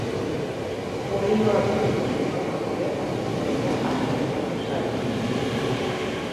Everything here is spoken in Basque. Olioa biltzeko sistemaz ere arituko dira aste honetako saioan.